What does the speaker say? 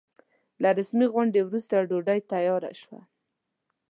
له رسمي غونډې وروسته ډوډۍ تياره شوه.